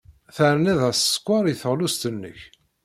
Ternid-as sskeṛ i teɣlust-nnek.